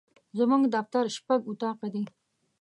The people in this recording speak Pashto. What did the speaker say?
زموږ دفتر شپږ اطاقه دي.